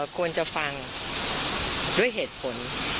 ควรจะฟังด้วยเหตุผล